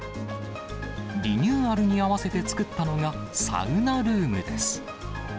リニューアルに合わせて作ったのが、サウナルームです。